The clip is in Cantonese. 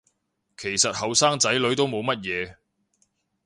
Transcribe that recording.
其實後生仔女都冇乜嘢